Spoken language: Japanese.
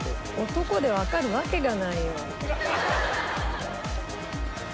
男でわかるわけがないよ。